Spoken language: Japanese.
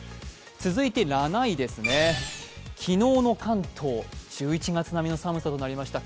続いて７位ですね、昨日の関東、１１月並みの寒さとなりました。